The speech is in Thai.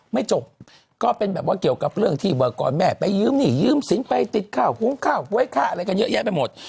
ไม่จบก็เป็นแบบว่าเกี่ยวกับเรื่องที่ว่าก่อนแม่ไปยืมหนี้ยืมสินไปติดข้าวหุงข้าวไว้ค่าอะไรกันเยอะแยะไปหมด